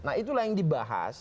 nah itulah yang dibahas